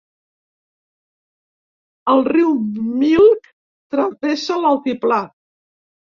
El riu Milk travessa l'altiplà.